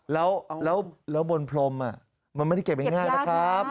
แล้วบนพรมมันไม่ได้เก็บง่ายนะครับ